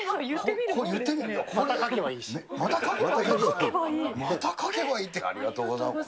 また描けばいい？また描けばいいって、ありがとうございます。